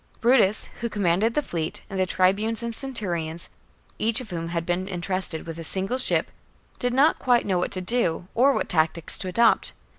Brutus, who commanded the fleet, and the tribunes and cen turions, each of whom had been entrusted with a single ship, did not quite know what to do, or what tactics to adopt.